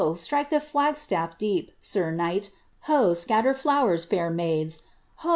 strike the fiag staff deep, Sir Knight! — ^ho! scatter flowers, ikir maids! lo!